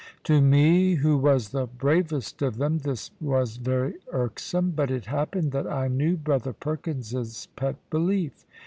To me, who was the bravest of them, this was very irksome; but it happened that I knew brother Perkins's pet belief.